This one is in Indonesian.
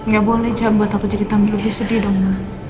gak boleh jangan buat aku jadi tambah lebih sedih dong